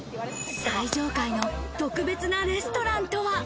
最上階の特別なレストランとは？